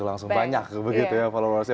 langsung banyak gitu ya followersnya